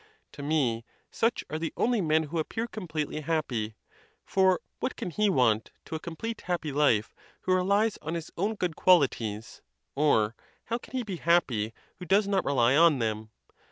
To me such are the only men who appeat com pletely happy; for what can he want to a complete happy life who relies on his own good qualities, or how can he be happy who does not rely on them?